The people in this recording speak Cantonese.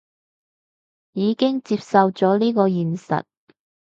已經接受咗呢個現實